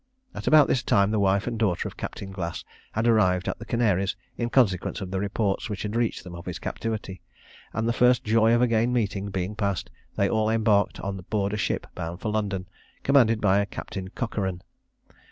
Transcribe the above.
At about this time the wife and daughter of Captain Glass had arrived at the Canaries, in consequence of the reports which had reached them of his captivity, and the first joy of again meeting being passed, they all embarked on board a ship bound for London, commanded by a Captain Cockeran.